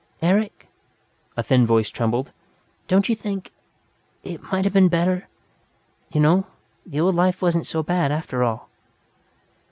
"Eric," a thin voice trembled. "Don't you think it might have been better You know the old life was not so bad, after all."